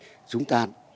thì chúng ta